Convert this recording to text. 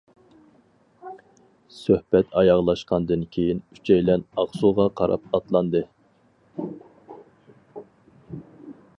سۆھبەت ئاياغلاشقاندىن كېيىن ئۈچەيلەن ئاقسۇغا قاراپ ئاتلاندى.